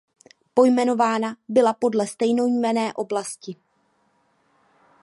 Pojmenována byla podle stejnojmenné oblasti.